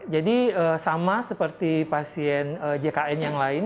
jadi sama seperti pasien jkn yang lain